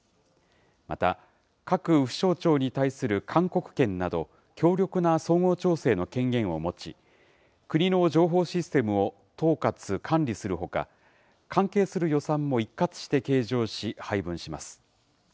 また、各府省庁に対する勧告権など、強力な総合調整の権限を持ち、国の情報システムを統括・監理するほか、関係する予算も一括して計上し、配分します。